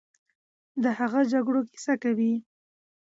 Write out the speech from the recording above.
د هغو جګړو کیسه کوي،